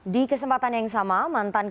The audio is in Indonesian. di kesempatan yang sama mantan ketua umum